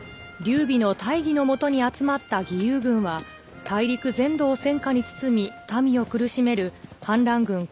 劉備の大義の下に集まった義勇軍は大陸全土を戦火に包み民を苦しめる反乱軍